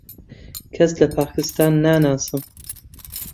کەس لە پاکستان ناناسم.